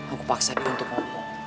aku paksa dia untuk ngomong